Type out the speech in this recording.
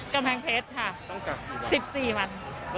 กำแพงเพชรค่ะ๑๔วัน